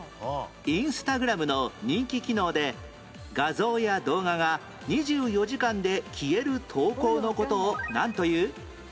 インスタグラムの人気機能で画像や動画が２４時間で消える投稿の事をなんという？